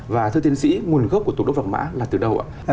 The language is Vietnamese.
và thưa tiến sĩ nguồn gốc của tục đốt vàng mã là từ đâu ạ